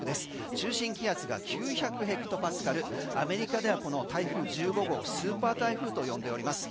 中心気圧が９００ヘクトパスカルアメリカでは、この台風１５号スーパー台風と呼んでおります。